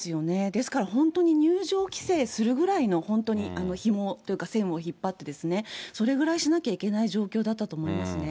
ですから、本当に入場規制するぐらいの、本当に、ひもというか、線を引っ張って、それぐらいしなきゃいけない状況だったと思いますね。